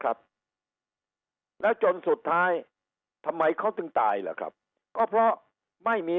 ครับแล้วจนสุดท้ายทำไมเขาถึงตายล่ะครับก็เพราะไม่มี